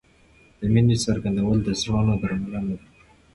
د مینې څرګندول د زړونو درملنه ده.